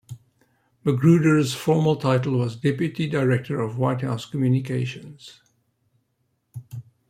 Magruder's formal title was Deputy Director of White House Communications.